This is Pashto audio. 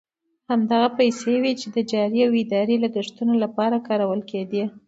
همدغه پیسې وې چې د جاري او اداري لګښتونو لپاره کارول کېدې.